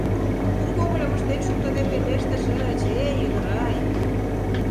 Кум когыльым ыштен шуктыде пелештышыч, эй, ӱдырай!